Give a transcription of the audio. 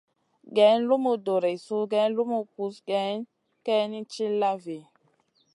Geyn lumu doreissou geyn lumu wursi kayni tilla vi.